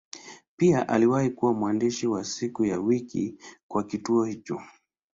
Pia aliwahi kuwa mwandishi wa siku ya wiki kwa kituo hicho.